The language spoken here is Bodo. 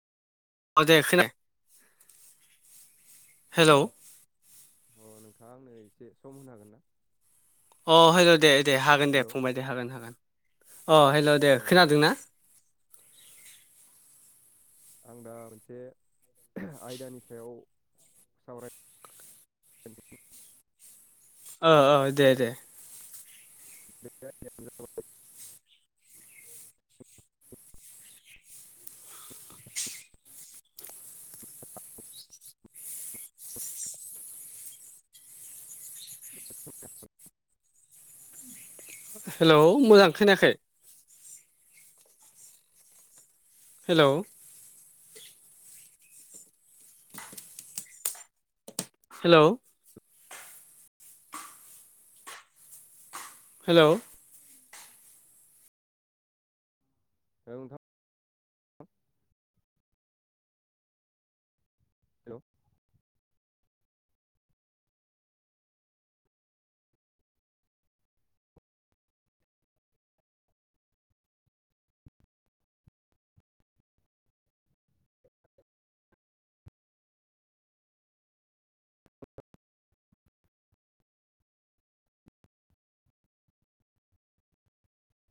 औ दे खोनाय हेल'। अ नोंथाङा आंनो एसे सम होनो हागोन ना? अ हेल' दे दे हागोन दे हेल' फंबाय दे हागोन हागोन अ हेल' दे खोनादों ना? आं दा मोनसे आयदानि सायाव सावराय औ औ दे दे। [inaudible] [inaudible] हेलौ मोजां खोनायाखै। हेलौ। हेलौ। हेलौ। औ नोंथां। हेलौ।